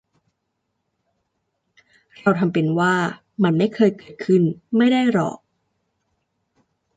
เราทำเป็นว่ามันไม่เคยเกิดขึ้นไม่ได้หรอก